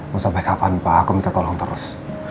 mau sampai kapan pak aku minta tolong terus